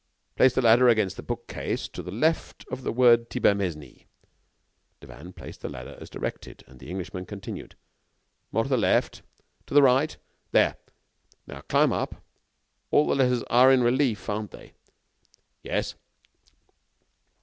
"Place the ladder against the bookcase, to the left of the word Thibermesnil." Devanne placed the ladder as directed, and the Englishman continued: "More to the left.... to the right....There!....Now, climb up.... All the letters are in relief, aren't they?" "Yes."